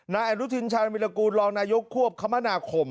นายอนุทินชาญวิรากูลรองนายกควบคมนาคม